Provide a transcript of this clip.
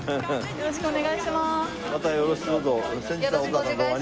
よろしくお願いします。